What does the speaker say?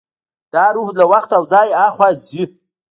دا روح له وخت او ځای هاخوا ځي.